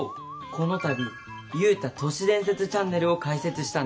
この度ユウタ都市伝説チャンネルを開設したんです。